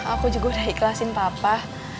aku juga udah ikhlasin papa